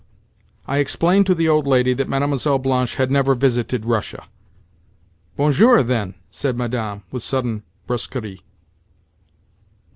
I explained to the old lady that Mlle. Blanche had never visited Russia. "Bonjour, then," said Madame, with sudden brusquerie.